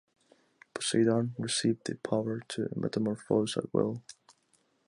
Poseidon received the power to metamorphose at will.